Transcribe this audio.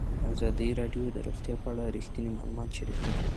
ازادي راډیو د روغتیا په اړه رښتیني معلومات شریک کړي.